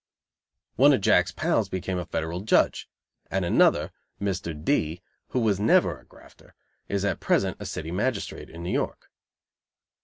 D. One of Jacks pals became a Federal Judge, and another, Mr. D , who was never a grafter, is at present a city magistrate in New York.